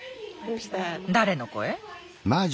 誰の声？